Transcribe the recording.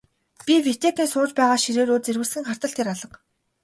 Би Витекийн сууж байгаа ширээ рүү зэрвэсхэн хартал тэр алга.